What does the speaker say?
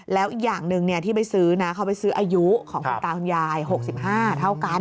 แล้วอีกอย่างหนึ่งที่ไปซื้อนะเขาไปซื้ออายุของคุณตาคุณยาย๖๕เท่ากัน